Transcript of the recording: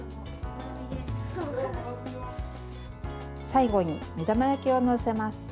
最後に目玉焼きを載せます。